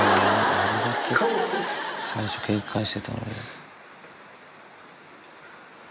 あれだけ最初警戒してたのに。